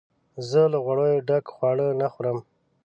زه له غوړیو ډک خواړه نه خورم.